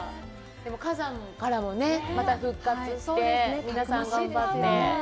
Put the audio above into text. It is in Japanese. でも、火山からもね、また復活して、皆さん、頑張ってて。